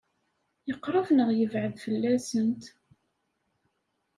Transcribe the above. Yeqṛeb neɣ yebɛed fell-asent?